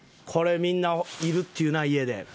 これみんないるって言うな家で。